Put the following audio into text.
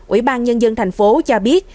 ủy ban nhân dân tp hcm cho biết